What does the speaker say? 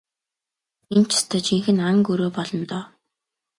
Энэ ч ёстой жинхэнэ ан гөрөө болно доо.